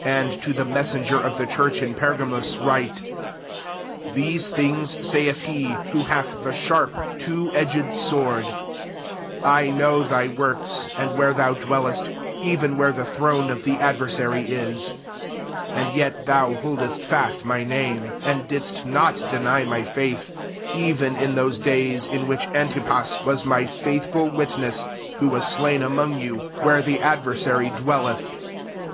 12 " And to the messenger of the church in Pergamus write: 'These things saith he who hath the sharp two edged literally, the aueen or hidden ptoee. iii. 9« 394 REV3ELATI0N III. sword : 13 I know [thy works, and] where thou dwellest, even where the throne of the adver sary If.* and yet thou holdest fast my name, and didst not deny my faith, [even] in those days [in] which Antipa» was my faithful witness, who was slain among yoti, were the ad versary dwelleth.